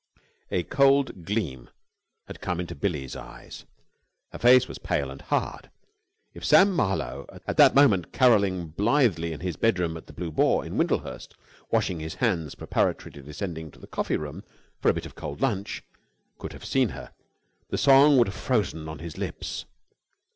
A cold gleam had come into Billie's eyes. Her face was pale and hard. If Sam Marlowe at that moment carolling blithely in his bedroom at the Blue Boar in Windlehurst, washing his hands preparatory to descending to the coffee room for a bit of cold lunch could have seen her, the song would have frozen on his lips.